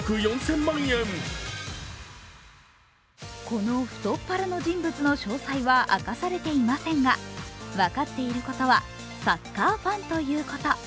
この太っ腹の人物の正体は明かされていませんが分かっていることはサッカーファンということ。